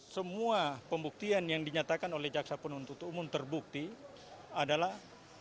semua pembuktian yang dinyatakan oleh jaksa penuntut umum terbukti adalah